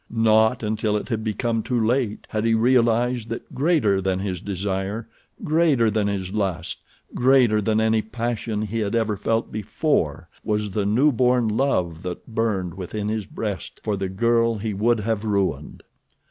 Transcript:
Not until it had become too late had he realized that greater than his desire, greater than his lust, greater than any passion he had ever felt before was the newborn love that burned within his breast for the girl he would have ruined.